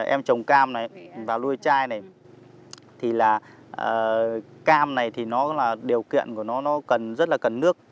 em trồng cam này và nuôi chai này thì là cam này thì điều kiện của nó rất là cần nước